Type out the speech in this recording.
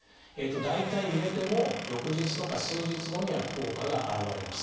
大体入れてもう翌日とか数日後には効果が現れます。